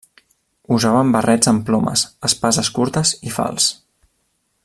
Usaven barrets amb plomes, espases curtes i falçs.